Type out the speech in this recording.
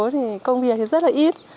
thì công việc thì rất là ít